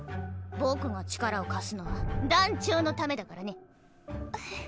僕が力を貸すのは団長のためだからね。ははっ。